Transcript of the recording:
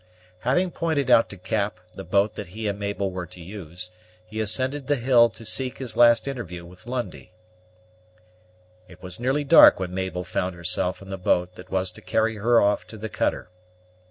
Having pointed out to Cap the boat that he and Mabel were to use, he ascended the hill to seek his last interview with Lundie. It was nearly dark when Mabel found herself in the boat that was to carry her off to the cutter.